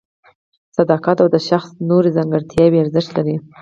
صداقت او د شخص نورې ځانګړتیاوې ارزښت لري.